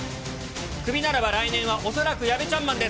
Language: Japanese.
クビならば来年は恐らくやべちゃんマンです。